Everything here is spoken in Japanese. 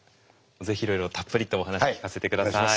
ぜひいろいろたっぷりとお話聞かせて下さい。